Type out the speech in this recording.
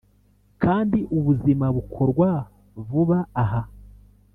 "kandi ubuzima bukorwa vuba aha?